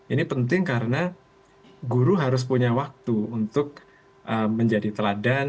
ini penting karena guru harus punya waktu untuk menjadi teladan